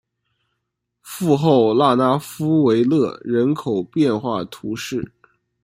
富后拉讷夫维勒人口变化图示